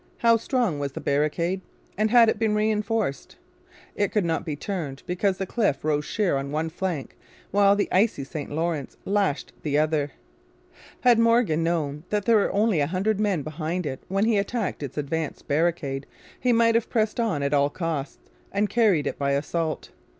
How strong was the barricade; and had it been reinforced? It could not be turned because the cliff rose sheer on one flank while the icy St Lawrence lashed the other. Had Morgan known that there were only a hundred men behind it when he attacked its advanced barricade he might have pressed on at all costs and carried it by assault.